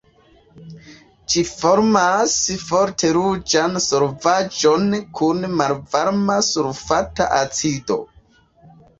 Ĝi formas forte ruĝan solvaĵon kun malvarma sulfata acido.